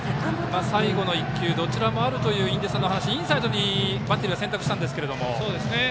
最後の１球どちらもあるという印出さんの話でインサイドにバッテリーは選択したんですが。